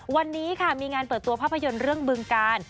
วันนี้ค่ะมีงานเปิดตัวภาพยนตร์เรื่องบึงการ